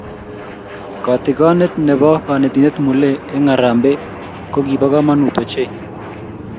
Katikonee ne bo konetinte Mulee eng Harambee ko kibo komonut ochei.